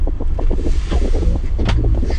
土蜜树瘤节蜱为节蜱科瘤节蜱属下的一个种。